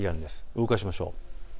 動かしましょう。